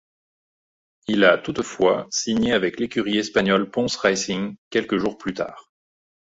Il a, toutefois, signé avec l'écurie espagnole Pons Racing quelques jours plus tard.